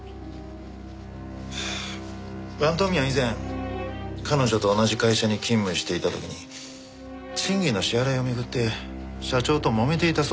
王東明は以前彼女と同じ会社に勤務していた時に賃金の支払いを巡って社長ともめていたそうなんです。